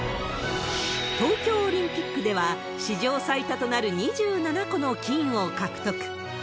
東京オリンピックでは、史上最多となる２７個の金を獲得。